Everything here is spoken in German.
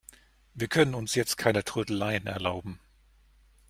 Wir können uns jetzt keine Trödeleien erlauben.